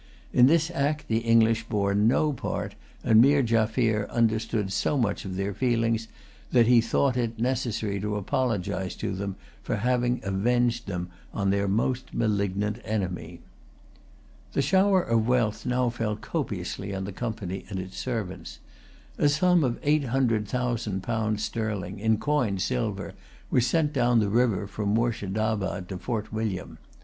In this act the English bore no part and Meer Jaffier understood so much of their feelings that he thought it necessary to apologize to them for having avenged them on their most malignant enemy. The shower of wealth now fell copiously on the Company and its servants. A sum of eight hundred thousand pound sterling, in coined silver, was sent down the river from Moorshedabad to Fort William.